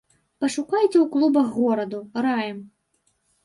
Пашукайце ў клубах гораду, раім.